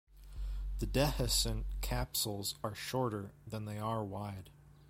The dehiscent capsules are shorter than they are wide.